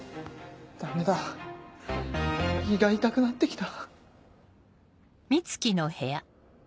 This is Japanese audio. ダメだ胃が痛くなって来た。